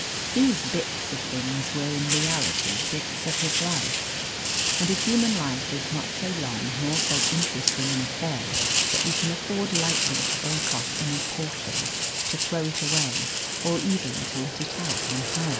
These "bits of things" were in reality bits of his life and a human life is not so long nor so interesting an affair that we can afford lightly to break off any portion, to throw it away, or even to let it out on hire.